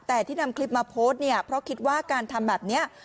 แต่ที่นำคลิปมาโพสต์เนี่ยเพราะคิดว่าการทำแบบนี้